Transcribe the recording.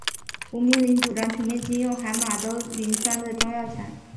吴明铃主张全面禁用含马兜铃酸的中药材。